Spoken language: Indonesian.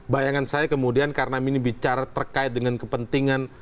bayangan saya kemudian karena ini bicara terkait dengan kepentingan